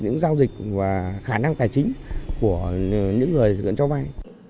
những giao dịch và khả năng tài chính của những người gần cho vai